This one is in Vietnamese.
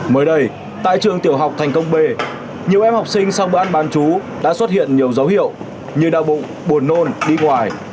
mới đây tại trường tiểu học thành công b nhiều em học sinh sau bữa ăn bán chú đã xuất hiện nhiều dấu hiệu như đau bụng buồn nôn đi ngoài